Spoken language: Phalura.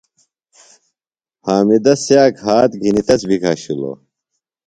حامدہ سِیاک ہات گِھنیۡ تس بیۡ گھشِلوۡ۔